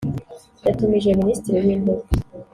yatumije Minisitiri w’Intebe